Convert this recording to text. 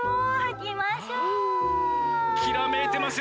きらめいてますよ